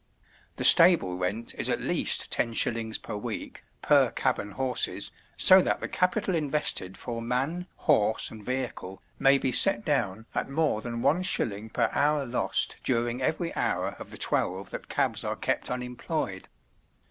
The stable rent is at least 10s. per week, per cab and horses, so that the capital invested for man, horse, and vehicle, may be set down at more than one shilling per hour lost during every hour of the twelve that cabs are kept unemployed.